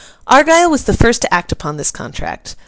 Argyle was the first to act upon this contract.